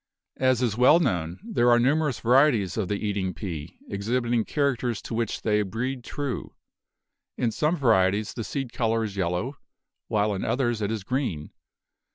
As is well known, there are numer ous varieties of the eating pea exhibiting characters to which they breed true. In some varieties the seed color is yellow, while in others it is green.